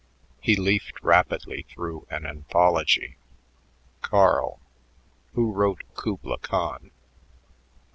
He leafed rapidly through an anthology. "Carl, who wrote 'Kubla Khan'?"